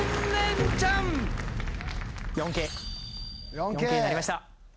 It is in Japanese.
４Ｋになりました！